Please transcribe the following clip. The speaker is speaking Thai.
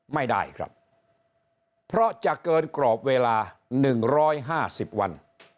ไม่ได้ครับเพราะจะเกินกรอบเวลาหนึ่งร้อยห้าสิบวัน